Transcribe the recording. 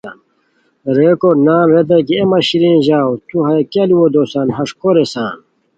ریکو نان ریتائے کی اے مہ شیرین ژاؤ تو ہیہ کیہ لوؤ دوسان ہݰ کو ریسان؟